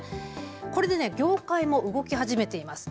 これで業界も動き始めています。